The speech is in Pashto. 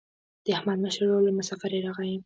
د احمد مشر ورور له مسافرۍ راغی.